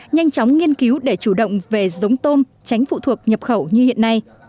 nhanh chóng nghiên cứu để chủ động về giống tôm tránh phụ thuộc nhập khẩu như hiện nay